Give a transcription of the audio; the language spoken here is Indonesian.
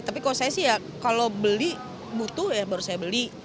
tapi kalau saya sih ya kalau beli butuh ya baru saya beli